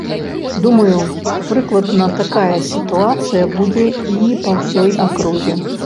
Думаю, прыкладна такая сітуацыя будзе і па ўсёй акрузе.